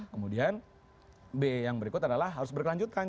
kemudian b yang berikut adalah harus berkelanjutan